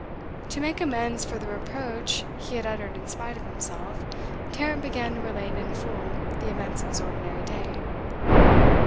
To make amends for the reproach he had uttered in spite of himself, Tarrant began to relate in full the events of his ordinary day.